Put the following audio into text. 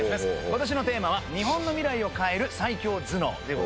今年のテーマは「日本の未来を変える最強頭脳」でございます。